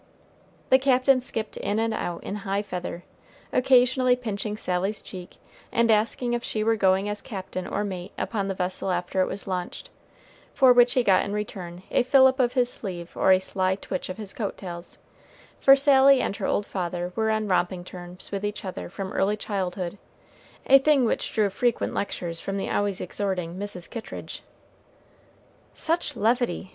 The Captain skipped in and out in high feather, occasionally pinching Sally's cheek, and asking if she were going as captain or mate upon the vessel after it was launched, for which he got in return a fillip of his sleeve or a sly twitch of his coat tails, for Sally and her old father were on romping terms with each other from early childhood, a thing which drew frequent lectures from the always exhorting Mrs. Kittridge. "Such levity!"